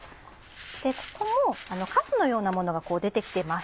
でカスのようなものが出て来てます。